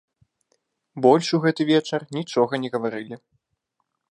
Больш у гэты вечар нічога не гаварылі.